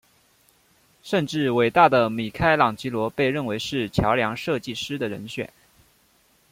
甚至伟大的米开朗基罗被认为是桥梁设计师的人选。